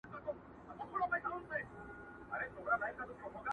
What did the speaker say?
o سواهد ټول راټولوي.